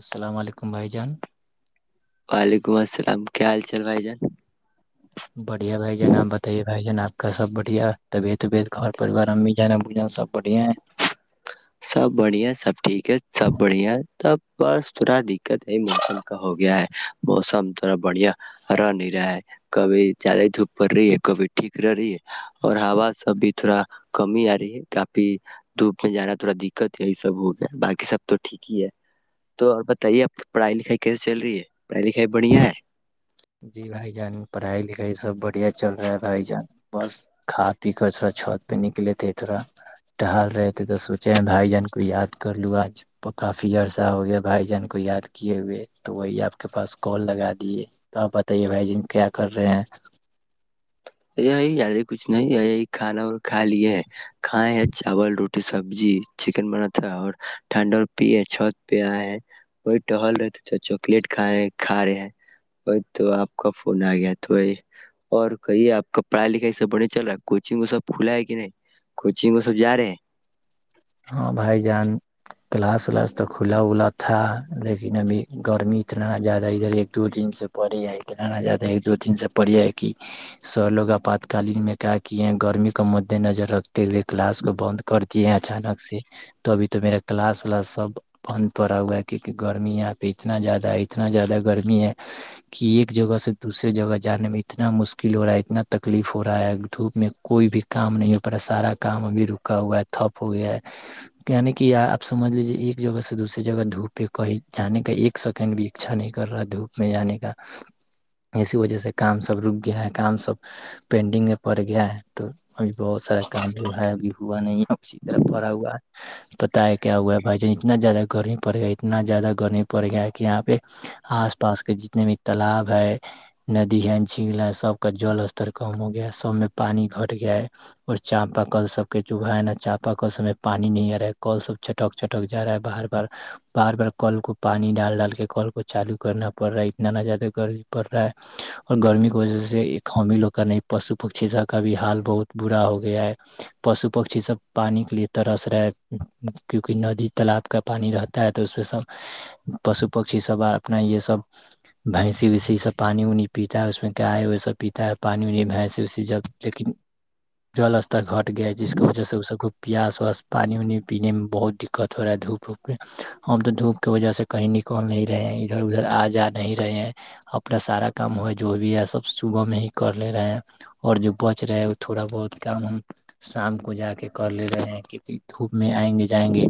السلام علیکم بھائی جان وعلیکم السلام کیا حال چال بھائی جان بڑھیا بھائی جان آپ بتائیے بھائی جان آپ کا سب بڑھیا طبیعت وبیعت گھر پریوار امی جان ب جن سب بڑھیا ہے سب بڑھیا سب ٹھیک ہے سب بڑھیا تب بس تھوڑا دقت یہ موسم کا ہو گیا ہے موسم تھوڑا بڑھیا رہ نہیں رہا ہے کبھی جدی دھوپ پڑ رہی ہے کبھی ٹھیک رہ رہی ہے اور ہا س بھی تھوڑا کمی آ رہی ہے کافی دھوپ میں جانا تھوڑا دقت ہے یہی سب ہو گیا باقی سب تو ٹھیک ہی ہے تو اور بتائیے آپ کی پڑھائی لکھائی کیسے چل رہی ہے پڑھائی لکھائی بڑھیا ہے جی بھائی جان پڑھائی لکھائی سب بڑھیا چل رہا ہے بھائی جان بس کھا پی کر تھوڑا چھت پہ نکلے تھے تھوڑا ٹہل رہے تھے تو سوچے بھائی جان کو یاد کر لوں آج کافی عرصہ ہو گیا بھائی جان کو یاد کیے ہوئے تو وہی آپ کے پاس کال لگا دیے تو آپ بتائیے بھائی جن کیا کر رہے ہیں یہی یارے کچھ نہیں ہے یہی کھانا اور کھا لیے ہے کھائے ہیں چاول روٹی سبزی چکن بناات تھا اور ٹھنڈا اور پی چھوت پہ آئے ہیں وہی ٹہل رہے تھے تو چاکلیٹ کھائے کھا رہے ہیں وہ تو آپ کا فون آ گیا تو وہ اور کہیے آپ کپڑائی لکھائی سب بڑھیا چل رہا ہے کوچنگ وہ سب کھلا ہے کہ نہیں کوچنگ وہ سب جا رہے ہے ہاں بھائی جان کلاس ولاس تو کھلا ولا تھا لیکن ابھی گرمی اتنا زیادہ ادھر ایک دو دن سے پڑی ہے اتنا نہ زیادہ ایک دو دن سے پڑی ہے کہ سر لوگ آپاتکالین میں کیا کیے ہیں گرمی کو مدے نظر رکھتے ہوئے کلاس کو بند کر دی ہیں اچانک تو ابھی تو میرا کلاس والا سب بند پڑا ہوا ہے کیونکہ گرمی ہے یہاں پہ اتنا زیادہ ہے اتنا زیادہ گرمی ہے کہ ایک جگہ سے دوسرے جگہ جانے میں اتنا مشکل ہو رہا ہے اتنا تکلیف ہو رہا ہے دھوپ میں کوئی بھی کام نہیں ہو پا ہے سارا کام ابھی رکا ہوا ہے تھپ ہو گیا ہے یعنی کہ آپ سمجھ لیجیے ایک جگہ سے دوسری جگہ دھوپ پہ کہیں جانے کا ایک سیکنڈ بھی اچھا نہیں کر رہا ہے دھوپ میں جانے کا اسی وجہ سے کام سب رک گیا ہے کام سب پینڈنگ میں پڑ گیا ہے تو ابھی بہت سارا کام جوا ہے ابھی ہوا نہیں ہے اسی طرف پڑاا پتا ہے کیا ہوا ہے بھائی جان اتنا زیادہ گرمی پڑ گیا اتنا زیادہ گرمی پڑ گیا ہے کہ یہاں پہ آس پاس کے جتنے بھی تالاب ہے ندی ہے جھیل ہے سب کا جل استر کم ہو گیا ہے سب میں پانی گھٹ گیا ہے اور چاپا کل سب کے جو ہے نا چا پل سمے پانی نہیں آ رہا ہے کل سب چٹک چٹک جا رہا ہے بار بار بار بار کل کو پانی ڈال ڈال کے کل کو چالو کرنا پڑ رہا ہے اتنا نہ زیادہ گرمی پڑ رہا ہے اور گرمی کی وجہ سے ایک حامل ہو کر نہیں پشو پکشی سب کا بھی حال بہت برا ہو گیا ہے پشو پکشی سب پانی کے لیے ترس رہے کیونکہ ندی تالاب کا پانی رہتا ہے تو اس میں سب پشو پکشی سب اپنا یہ سب بھیینسی ویسی سب پانی وانی پیتا ہے اس میں کیائے وی سب پیتا ہے پانی وانی بھیینس ویسی جگ لیکن جلستستر گھٹ گیا جس کی وجہ سے سب کو پیاس ویاس پانی وانی پینے میں بہت دقت ہو رہا ہے دھوپ ووپ کے ہم تو دھوپ کے وجہ سے کہیں نکل نہیں رہے ہیں ادھر ادھر آ جا نہیں رہے ہیں اپنا سارا کام ہو جو بھی ہے سب صبح میں ہی کر لے رہے ہیں اور جو بچ رہے وہ تھوڑا بہت کام ہم شام کو جا کے کر لے رہے ہیں کہکہ دھوپ میں آئیں گے جائیں گے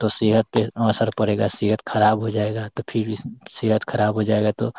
تو صحت پہ اثر پڑے گا صحت خراب ہو جائے گا تو پھر بھی صحت خراب ہو جائے گا تو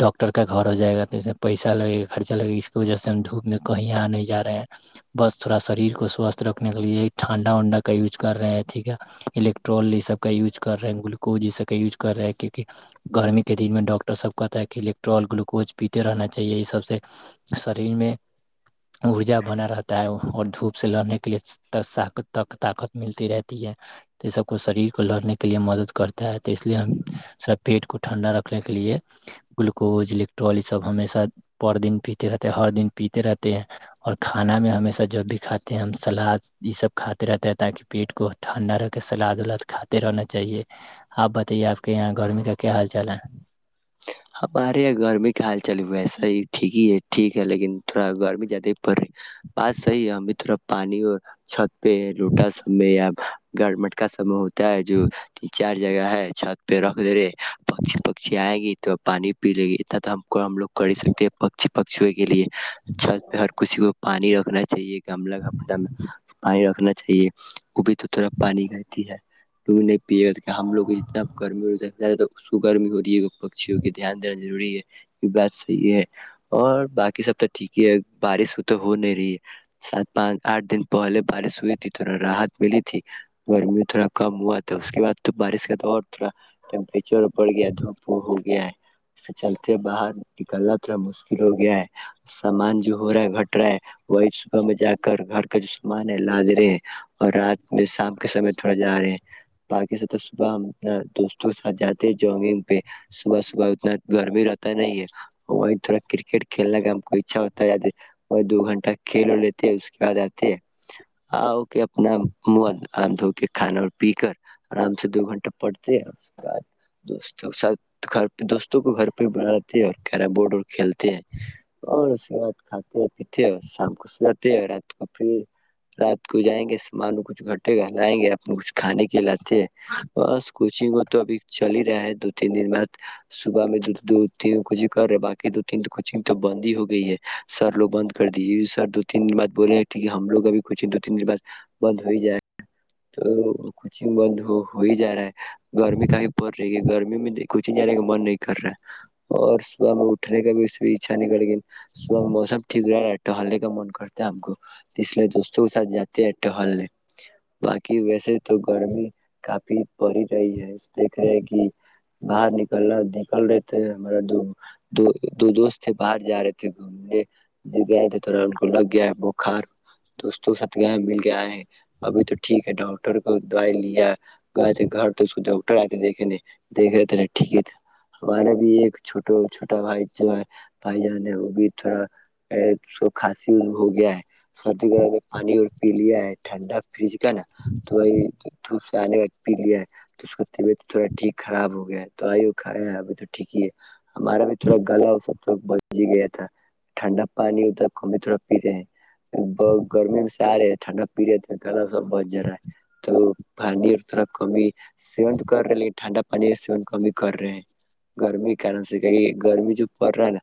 ڈاکٹر کا گھر ہو جائے گا تو اس میں پیسہ لگے گا خرچہ لگے گا اس کی وجہ سے ہم دھوپ میں کہیں آنے جا رہے ہیں بس تھوڑا شریر کو سوستھ رکھنے کے لیے ٹھنڈا ونڈا کا یوز کر رہے ہیں ٹھیک ہے الیکٹرول یہ سب کا یوز کر رہے گلوکوز یہ سب کا یوز کر رہے ہے کیونکہ گرمی کے دن میں ڈاکٹر سب کہتا ہے کہ الیکٹرول گلوکوز پیتے رہنا چاہیے یہ سب سے شریر میں ارجا بنا رہتا ہے اور دھوپ س سے لڑنے کے لیے تک طاقت ملتی رہتی ہے تو سب کو شریر کو لڑنے کے لیے مدد کرتا ہے تو اس لیے ہم سب پیٹ کو ٹھنڈا رکھنے کے لیے گلوکوز الیکٹرول یہ سب ہمیشہ پر دن پیتے رہتے ہیں ہر دن پیتے رہتے ہیں اور کھانا میں ہمیشہ جب بھی کھاتے ہم سلاد یہ سب کھاتے رہتے ہیں تاکہ پیٹ کو ٹھنڈا رہ کے سلاد ولاد کھاتے رہنا چاہیے آپ بتائیے آپ کے یہاں گرمی کا کیا حال چال ہے ہمارے یہاں گرمی کا حال چل ویسا ہی ٹھیک ہی ہے ٹھیک ہے لیکن تھوڑا گرمی زیادہ بات صحیح ہے اترا پانی اور چھت پہ لوٹا س میں یاپ گڑ مٹکا سم ہو ہے جو چار جگہ ہے چھت پہ رکھ دے رہے پچی پچی آگ تو پانی پی لے گی ات تھا کو ہم لوگ کر سکتے ہیں پکی پکشووں کے لیے چھل پہ ہر کسی کو پانی رکھ ہونا چاہیے ملہ کپڑا میں پانی رکھنے جی وہ بھی تو تھرا پانی گتی ہے پی ہم لوگ جتنا گرمی سوگگرمی ہو رہی ہے پکی کی دھیان دینا ضروری ہے یہ بات صحیح ہے اور باقی سب تو ٹھیک ہی ہے بارش وہ تو ہو نہیں رہی ہے سات پانچ آٹھ دن پہلے بارش ہوئی تھی تھڑا راحت ملی تھی گرمی تھوڑا کم ہوا تھا اس کے بعد تو بارش کا تو اور تھوڑا ٹیمپریچر بڑھ گیا دھوپ ہو گیا ہے اس سے چلتے باہر نکلنا تھوڑا مشکل ہو گیا ہے سامان جو ہو رہا ہے گھٹ رہا ہے وہی صبح میں جا کر گھر کا جو سامان ہے لاد رہے ہیں اور رات ب شام کے سمے تھوڑے جا رہے ہیں بارکی سے تو صبح ہم اپنا دوستوں کے ساتھ جاتے ہیں جوگ پہ صبح اتنا گر بھی رہتا نہیں ہے وہ تھوڑا کرکٹ کھیلنا کا ہم کو اچھا ہوتا ہے وہ دو گھنٹہ کھیل اور لیتے اس کے بعد آتے آؤ کے اپنا من آرام دھو کے کھانا اور پی کر آرام سے دو گھنٹہ پڑھتے اس کے بعد دوستوں کے ساتھ گھر دوستوں کو گھر پہ بناتے ہیں اور کیرم بورڈ اور کھیلتے ہیں اور اس کے بعد کھاتے ہیں پیتے اور شام کو س جاتے ہیں رات کو پھر رات کو جائیں گے سامان کچھ گھٹے گا لائیں گے اپنا کچھ کھانے کے لاتے ہیں بس کوچنگ وہ تو ابھی چل ہی رہا ہے دو تین دن بعد صبح میں دو دو تین کوچنگ کر رہے باقی دو تین کوچنگ تو بند ہی ہو گئی ہے سر لوگ بند کر دی سر دو تین دن بعد بول رہے کہ ہم لوگ ابھی کوچنگ دو تین دن بعد بند ہو ہی جاا تو کوچنگ بند ہو ہی جا رہا ہے گرمی کایں پڑ رہی ہے گرمی میں د کچ کے نہیں رہا اور صبح میں اٹھنے کا بھی اس اچھا نہیں کر لیکن صبح میں موسم ٹھیک رہ رہا ہے ایٹ ہلنے کا من کرتا ہے ہم کو اس لیے دوستوں کے ساتھ جاتے ہیں ایٹو ہلنے باقی ویسے تو گرمی کافی پڑی رہی ہے دیکھ رہے کہ باہر ن ا نکل رہے تھے ہمارا دو دو دو دوست تھے باہر جا رہے تھے گھومنے ج گئے تھے تو ان کو لگ گیا ہے بخار دوستوں کے ساتھ گ مل گیا آئے ہے ابھی تو ٹھیک ہے ڈاکٹر کو دوائی لیا گئے تھے گھر تو اس کو ڈاکٹر آئے تھے دیکھنے دیکھ رہے تھے ٹھیک ہے ہمارا بھی ایک چھوٹ چھوٹا بھائی جو ہے بھائی جان ہے وہ بھی تھوڑا س کھاسی ہو گیا ہے سردی کر میں پانی اور پی لیا ہے ٹھنڈا فریج کا نا تو وہی دھوپ سے آنے کا پی لیا ہے تو اس کو طبیعت تھوڑا ٹھیک خراب ہو گیا ہے تو آئی ہو کھایا ہے ابھی تو ٹھیک ہی ہے ہمارا بھی تھوڑا گلا وہ سب تو بچ ہی گیا تھا ٹھنڈا پانی اتا ک بھی تھوڑا پیتے ہیں گرمی میں سارے ھنڈا پیرییڈ تھ تھا بجار ہے تو پانی تھا کمی سی کرے ھڈا پانی س کمی کر رہے ہیں گرمی کہنا سے کہ یہ گرمی جو پڑ رہا ہے نا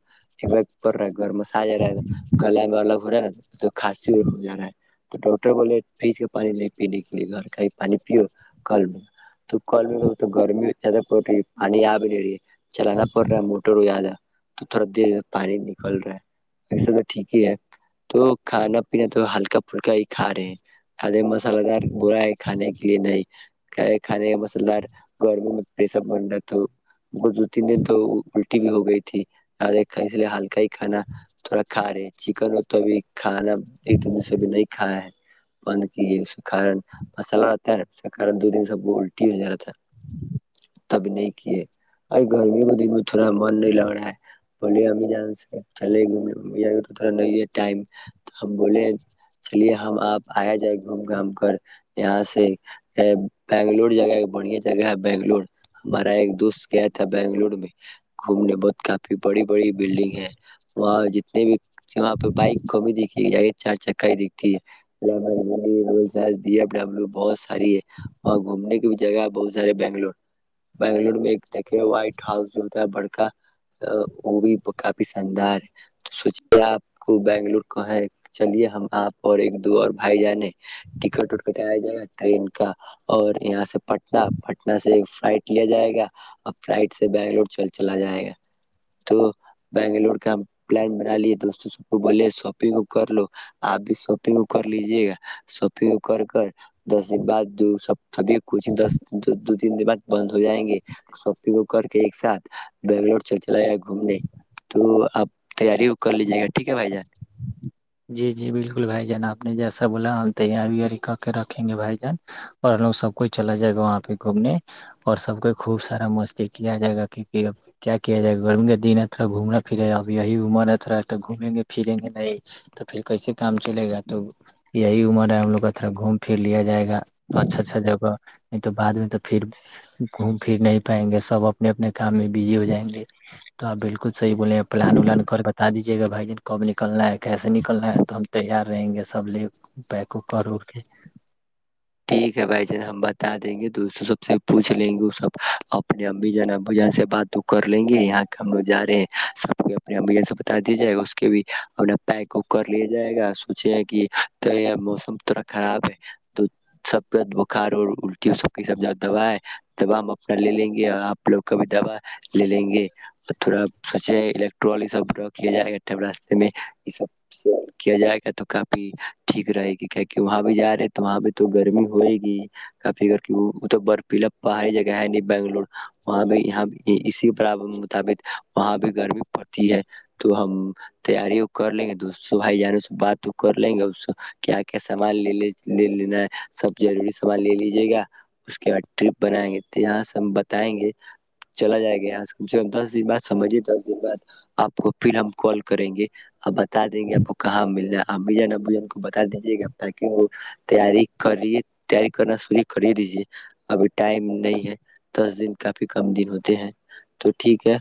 ایک پر رہ گ گرم س آ جا رہا ہے گل میںگ ہو رہا ہے ن تو کھانسی ہو جا رہا ہے تو ڈاکٹر بولے فج کا پانی نہیں پینے کے لیے گھر کا ہی پانی پیو کل میں تو کل میں تو گرمی زدہ پانی آ بھی نہیں رہی ہے چلانا پڑ رہا ہے موٹر ہو زیادہ تو تھوڑا دیر پانی نکل رہا ہے ایسا تو ٹھیک ہی ہے تو کھانا پینا تو ہلکا پھلکا کھا رہے ادے م الگ ہے بر ہے کھانے کے لیے نہیں کھان مسل دار گرمی پشر بن رہا تو وہ دو تین دن تو الٹی بھی ہو گئی تھییک اس لیے ہلکا ہی کھانا تھوڑا کھا رہے چکن اور تو کھانا ایک د دن سے بھی نہیں کھیا ہے بند کی اس کے کارن مسلہ آتا ہے نا اس کے ک دو دن سب الٹی ہو ج رہا تھا ہے تب نہیں کیے ا گرمیوں کو دن میں تھوڑا من نہیں لگ رہا ہے بولے ا جان سے چلے گ تو تھڑا نہیں ہے ٹائم ہم بولے چلیے ہم آپ آیا جائے گھوم گھام کر یہاں سے بنگلور جگہ ایک بڑھیا جگہ ہے بنگلور ہمارا ایک دوست گیا تھا بنگلور میں گھومنے بہت کافی بڑی بڑی بلڈنگ ہے وہاں جتنے بھی جاں پہ بائک کو بھی دھی جی چار چکائی دکھتی ہے بی ایف ڈبلو بہت ساری ہے وہاں گھومنے کی بھی جگہ بہت سارے بنگلور بنگلور میں ایک دیکے وائٹ ہاؤس جو ہوتا ہے بڑکا وہ بھی کافی شاندار ہے سوچے آپ کو بنگلور کو ہے چلیے ہم آپ اور ایک دو اور بھائی جانے ٹکٹ وٹکٹ آ جائے گا ٹرین کا اور یہاں سے پٹن پٹن سے فائٹ لیا جائے گا اور فلائٹ سے بنگلورل چلا جائے گا تو بنگلور کا پلان بنا لیے دوستوں سب کو بولے شاپنگ ا کر لو آپ بھی شاپنگ ا کر لیجے گا شاپنگ ا کر کر دس دن بعد سب سبھی کچھ دس دو د ب بند ہو جائیں گے شاپگ کر کے ایک ساتھ بنگلور چل چلا ج گا گھومنے تو آپ تیاری کر لیجائ گا ٹھیک ہے بھائی جان جی جی بالکل بھائی جان آپ نے جیسا بولا ہم تیاری وییاری کر کے رکھیں گے بھائی جان اور ہم لوگ سب کو چلا جائے گا وہاں پہ گھومنے اور سب کو خوب سارا مستی کیا جائے گا کی کیا کیا جائے گا گرمی کا دن اتا گھومنا پھرا اب یہی عمر ات رہا تو گھومیں گے پھریں گے نہیں تو پھر کیسے کام چلے گا تو یہی عمر ہے ہم لوگ کا تھڑا گھوم پھر لیا جائے گا اچھا اچھا جگہ نہیں تو بعد میں تو پھر گھوم پھر نہیں پائیں گے سب اپنے اپنے کام میں بزی ہو جائیں گے تو آ بالکل [unintelligible] سی بول پلان ولان کر رادجیے گا بائی جن کب نلنا ہے کیسے [unintelligible] سے نکلنا ہے تو ہم تیار رہیں گے سب لے پیک کر کے ٹھیک ہے بھائی جان ہم بتا دیں گے دوستوں سب سے پوچھ لیں گے وہ سب اپنے اب جان ابو جان سے بات کر لیں گے یہاں کے ہم لوگ جا رہے ہیں سب کو اپنے اب سے بتا دیا جائے گا اس کے بھی اپنا پیک کر لیا جائے گا سوچے کہ موسم تھڑا خراب ہے تو سب بخار اور الٹی سب سب دوا ہے دوا ہم اپنا لے لیں گے اور آپ لوگ کا بھی دوا لے لیں گے اور تھوڑا سوچے الٹر سب ڈرا کیا جائے گاٹ راستے میں یہ سب سے کیا جائے گا تو کافی ٹھیک رہے گی کی کہ وہاں بھی جا رہے تو وہاں بھی تو گرمی ہوئے گی کافی ا تو برفیلا پہاڑی جگہ ہے نہیں بنگلور وہاں بھی یہ اسی پراب مطابق وہاں بھی گرمی پڑتی ہے تو ہم تیاریوں کر لیں گے دوستو بھائی جانوں سے بات تو کر لیں گے کیا کیا سامان لے لے لینا ہے سب جروری سامان لے لیجیے گا اس کے بعد ٹرپ بنائیں گے تو یہاں سے ہم بتائیں گے چلا جائے گا یہ کم سے کم دس دن بعد سمجھیے دس دن بعد آپ کو پھر ہم کال کریں گے آپ بتا دیں گے آپ کو کہاں ملنا ہے آپ بھی ج ان کو بتا دیجیے گا پنگ تیاری کریے تیاری کرنا شرع کر ہی دیجے ابھی ٹائم نہیں ہے دس دن کافی کم دن ہوتے ہیں تو ٹھیک ہے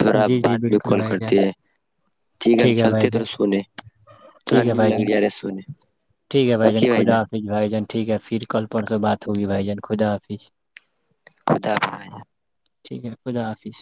تھڑا جی جی بات میں بالکل کال بھائی جان کرتے ہیں ٹھیک ہے ہم چلتے تھڑا سونے تھڑا ٹھیک ہے نیند بھائی لگ ج جان رہے سونے ٹھیک ہے رکھیے بھائی خدا جان حافظ بھائی جان ٹھیک ہے پھر کل پرن سے بات ہوگی بھائی جان خدا حافظ خدا [unintelligible] ٹھیک ہے خدا حافظ